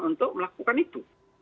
untuk melakukan itu